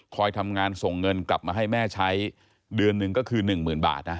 ทำงานส่งเงินกลับมาให้แม่ใช้เดือนหนึ่งก็คือหนึ่งหมื่นบาทนะ